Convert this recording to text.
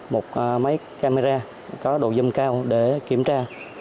một máy camera có độ dân cao để kiểm tra